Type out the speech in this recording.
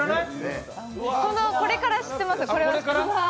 これは知ってます。